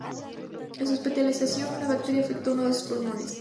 En su hospitalización, una bacteria afectó uno de sus pulmones.